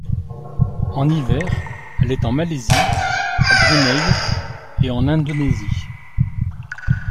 En hiver, elle est en Malaisie, à Brunei et en Indonésie.